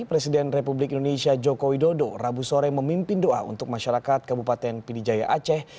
presiden republik indonesia joko widodo rabu sore memimpin doa untuk masyarakat kabupaten pidijaya aceh